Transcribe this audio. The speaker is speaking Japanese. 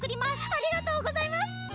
ありがとうございます！